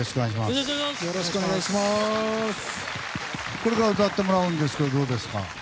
これから歌ってもらうんですけどどうですか？